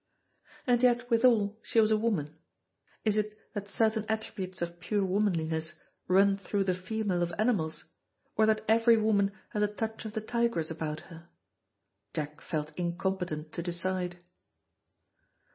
And yet, withal, she was a woman. Is it that certain attributes of pure womanliness run through the female of animals, or that every woman has a touch of the tigress about her? Jack felt incompetent to decide.